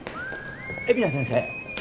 海老名先生。